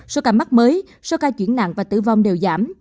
số ca mắc mới số ca chuyển nặng và tử vong đều giảm